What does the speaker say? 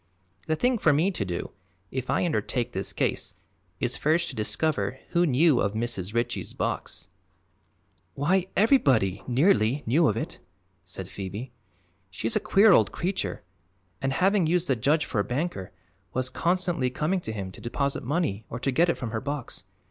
The thing for me to do, if I undertake this case, is first to discover who knew of Mrs. Ritchie's box " "Why, everybody, nearly, knew of it," said Phoebe. "She's a queer old creature and, having used the judge for a banker, was constantly coming to him to deposit money or to get it from her box.